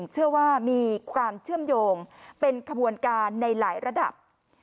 เชื่อว่ามีความเชื่อมโยงเป็นขบวนการในหลายระดับ